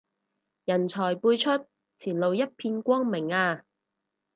人才輩出，前路一片光明啊